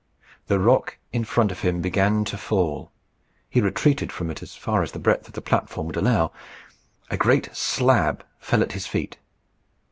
The rock in front of him began to fall. He retreated from it as far as the breadth of the platform would allow. A great slab fell at his feet.